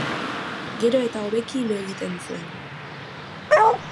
Gero eta hobeki lo egiten zuen.